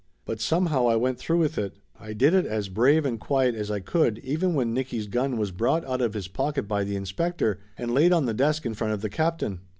But somehow I went through with it. I did it as brave and quiet as I could even when Nicky's gun was brought out of his pocket by the inspector and laid on the desk in front of the captain.